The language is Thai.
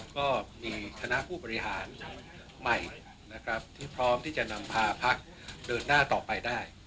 ก็มีคณะผู้บริหารใหม่นะครับที่พร้อมที่จะนำพาพักเดินหน้าต่อไปได้